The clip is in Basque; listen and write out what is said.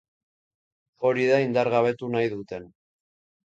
Hori da indargabetu nahi dutena.